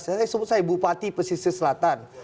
saya sebut saya bupati pesisir selatan